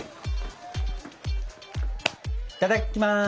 いただきます！